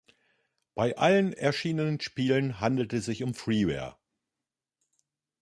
Bei allen erschienenen Spielen handelt es sich um Freeware.